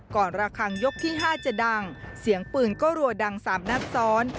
ก่อนระคังยกที่ห้าจะดังเสียงปืนก็รัวดังสามนักซ้อน